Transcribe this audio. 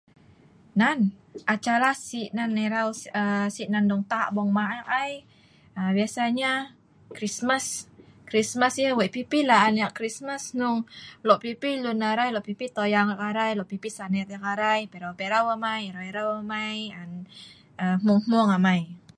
nan, acara sik nan erau aa sik nan dongtak bongma' ek ai, aa biasanya krismas. krismas yah weik pi pi la'an ek krismas hnung lok pi pi lun arai lok pi pi toyang ek arai lok pi pi sanet ek arai, perau perau amai, erau erau amai, aa hmung hmung amai